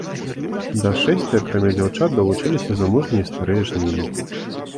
Да шэсця, акрамя дзяўчат, далучаліся замужнія і старыя жнеі.